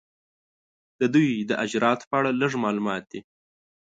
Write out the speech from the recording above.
د دوی د اجرااتو په اړه لږ معلومات دي.